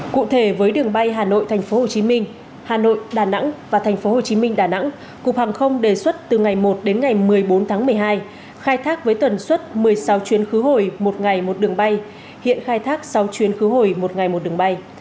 cụ thể với đường bay hà nội tp hcm hà nội đà nẵng và tp hcm đà nẵng cục hàng không đề xuất từ ngày một đến ngày một mươi bốn tháng một mươi hai khai thác với tần suất một mươi sáu chuyến khứ hồi một ngày một đường bay hiện khai thác sáu chuyến khứ hồi một ngày một đường bay